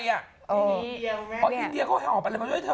อ๋ออินเดียก็เหาะไปเลยมาด้วยเธอ